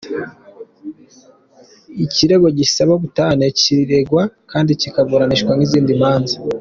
Ikirego gisaba ubutane kiregerwa kandi kikaburanishwa nk’izindi manza.